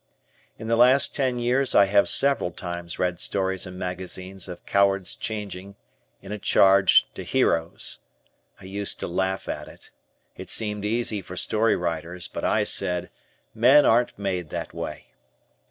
In the last ten years I have several times read stories in magazines of cowards changing, in a charge, to heroes. I used to laugh at it. It seemed easy for story writers but I said, "Men aren't made that way."